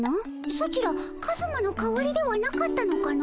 ソチらカズマの代わりではなかったのかの。